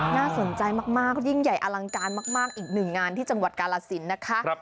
น่าสนใจมากยิ่งใหญ่อลังการมากอีกหนึ่งงานที่จังหวัดกาลสินนะคะ